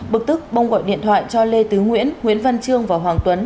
bực tức bông gọi điện thoại cho lê tứ nguyễn nguyễn văn trương và hoàng tuấn